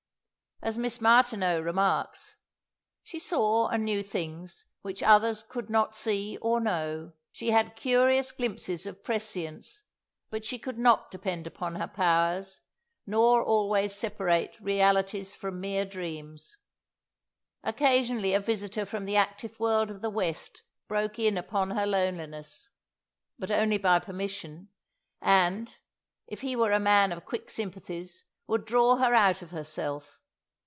As Miss Martineau remarks, "She saw and knew things which others could not see or know; she had curious glimpses of prescience; but she could not depend upon her powers, nor always separate realities from mere dreams." Occasionally a visitor from the active world of the West broke in upon her loneliness but only by permission and, if he were a man of quick sympathies, would draw her out of herself.